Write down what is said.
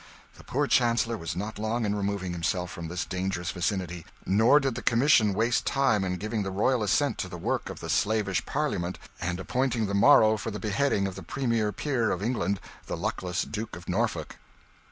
The poor Chancellor was not long in removing himself from this dangerous vicinity; nor did the commission waste time in giving the royal assent to the work of the slavish Parliament, and appointing the morrow for the beheading of the premier peer of England, the luckless Duke of Norfolk.